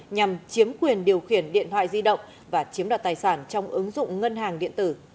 nhằm chiếm quyền điều khiển điện thoại di động và chiếm đoạt tài sản trong ứng dụng ngân hàng điện tử